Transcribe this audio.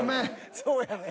そうやねん。